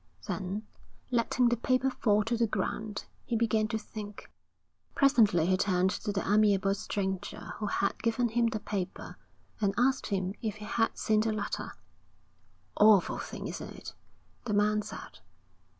Then, letting the paper fall to the ground, he began to think. Presently he turned to the amiable stranger who had given him the paper, and asked him if he had seen the letter. 'Awful thing, isn't it?' the man said.